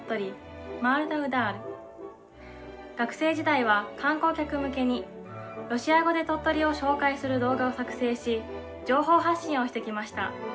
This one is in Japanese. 学生時代は観光客向けにロシア語で鳥取を紹介する動画を作成し情報発信をしてきました。